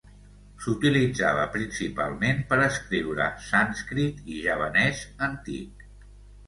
S'utilitzava principalment per escriure sànscrit i javanès antic.